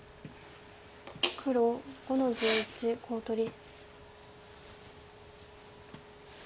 黒５の十一コウ取り。